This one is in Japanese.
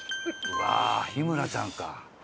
うわー桧村ちゃんか。